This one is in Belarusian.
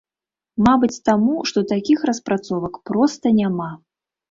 Мабыць, таму што такіх распрацовак проста няма.